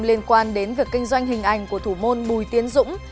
liên quan đến việc kinh doanh hình ảnh của thủ môn bùi tiến dũng